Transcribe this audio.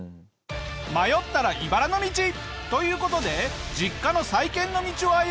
迷ったら茨の道！という事で実家の再建の道を歩むサダさん。